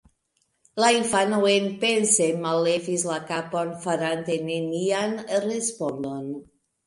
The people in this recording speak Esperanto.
La infano enpense mallevis la kapon, farante nenian respondon.